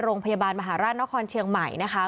โรงพยาบาลมหาราชนครเชียงใหม่นะคะ